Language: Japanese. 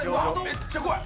めっちゃ怖い。